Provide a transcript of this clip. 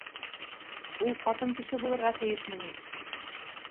Ул ҡатын кеше булырға тейешме ни?